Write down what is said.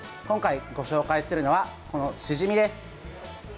今回ご紹介するのはこのシジミです。